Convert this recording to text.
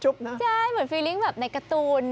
ใช่เหมือนฟีลิงค์แบบในการ์ตูน